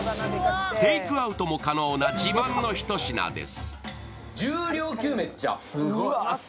テークアウトも可能な自慢のひと品です。